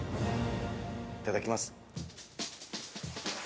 ◆いただきます。